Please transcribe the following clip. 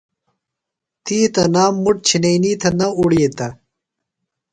تی تنام مُٹ چِھئینی تھےۡ نہ اُڑِیتہ۔